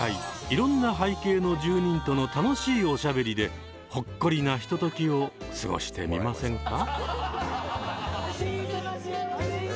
いろんな背景の住人との楽しいおしゃべりでほっこりなひとときを過ごしてみませんか？